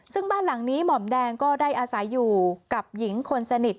ซึ่งบ้านหลังนี้หม่อมแดงก็ได้อาศัยอยู่กับหญิงคนสนิท